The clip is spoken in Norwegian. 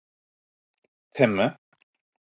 temme